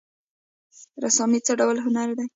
رسامي څه ډول هنر دی؟